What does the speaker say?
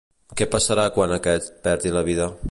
Què passarà quan aquest perdi la vida?